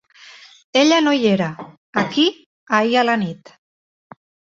Ella no hi era, aquí, ahir a la nit.